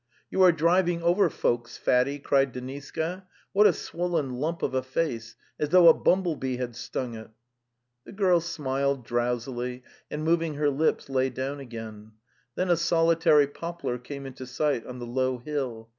'You are driving over folks, fatty!" cried De niska. '' What a swollen lump of a face, as though a bumble bee had stung it!" The girl smiled drowsily, and moving her lips lay down again; then a solitary poplar came into sight on the low hill.